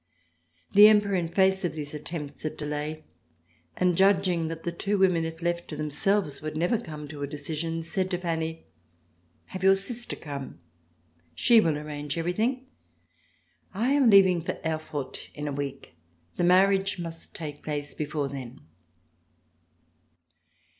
The Emperor, in face of these attempts at delay and judging that the two women if left to themselves would never come to a decision, said to Fanny: "Have your sister come. She will arrange everything. I am leaving for Erfurt in a week. The marriage must take place before then."